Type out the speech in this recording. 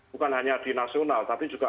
bukan hanya di nasional tapi juga